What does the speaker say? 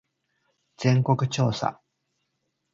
全国調査